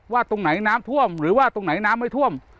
ตรงไหนน้ำท่วมหรือว่าตรงไหนน้ำไม่ท่วม